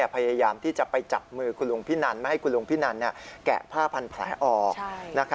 พยายามที่จะไปจับมือคุณลุงพินันไม่ให้คุณลุงพินันแกะผ้าพันแผลออก